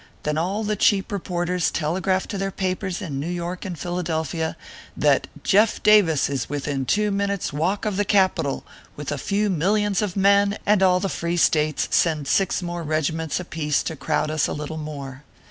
Then all the cheap reporters telegraph to their papers in New York and Philadelphia, that " Jeff. Davis is within two minutes walk of the Capital, with a few millions of men/ and all the free states send six more regiments a piece to crowd us a little more.